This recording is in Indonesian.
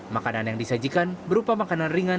makanan yang disajikan berupa makanan ringan